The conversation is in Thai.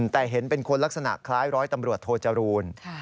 แต่เห็นเป็นคนลักษณะคล้ายร้อยตำรวจโทจรูล